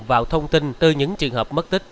vào thông tin từ những trường hợp mất tích